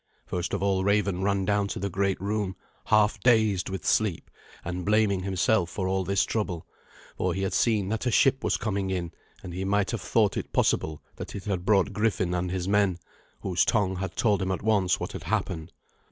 First of all Raven ran down to the great room, half dazed with sleep, and blaming himself for all this trouble, for he had seen that a ship was coming in, and he might have thought it possible that it had brought Griffin and his men, whose tongue had told him at once what had happened.